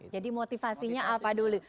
jadi motivasinya apa dulu